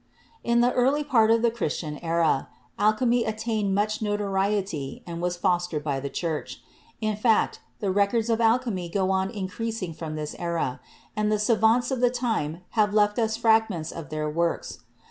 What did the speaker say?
In the early part of the Christian era, alchemy attained much notoriety and was fostered by the Church. In fact, the records of alchemy go on increasing from this era, and the savants of the time have left us fragments of their works.